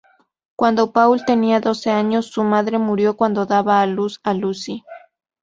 Cuando Paul tenía doce años su madre murió cuando daba a luz a Lucy.